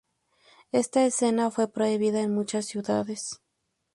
Esta escena fue prohibida en muchas ciudades.